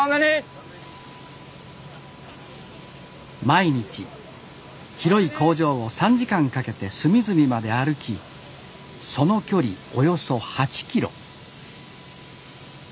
毎日広い工場を３時間かけて隅々まで歩きその距離およそ８キロ